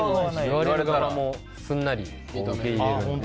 言われた側もすんなり受け入れるので。